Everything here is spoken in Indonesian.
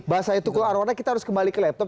bahasanya tukul arwana kita harus kembali ke laptop